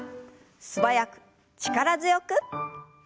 素早く力強く。